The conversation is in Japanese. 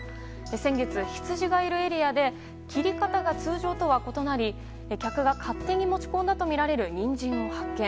先月、ヒツジがいるエリアで切り方が通常とは異なり客が勝手に持ち込んだとみられるニンジンを発見。